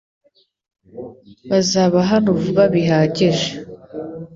Bazaba hano vuba bihagije .